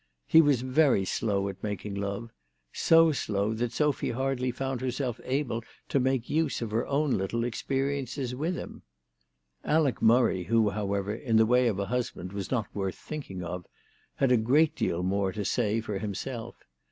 He was very slow at making love ; so slow that Sophy hardly found herself able to make use of her own little experiences with him. Alec Murray, who, however, in the way of a husband was not worth thinking of, had a great deal more to say for himself.